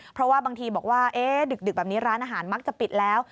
เพราะว่าบางทีบอกว่าดึกแบบนี้ร้านอาหารมักจะปิดแล้ว